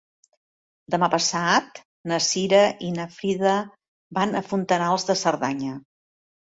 Demà passat na Cira i na Frida van a Fontanals de Cerdanya.